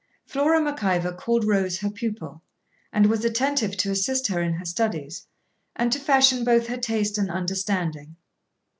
Flora Mac Ivor called Rose her pupil, and was attentive to assist her in her studies, and to fashion both her taste and understanding.